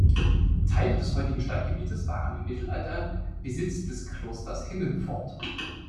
Teile des heutigen Stadtgebietes waren im Mittelalter Besitz des Klosters Himmelpfort.